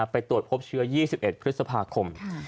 ไปตรวจพบเชื้อ๒๑พฤษภาคม